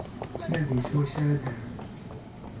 Ttnadin swayes ar ad arun.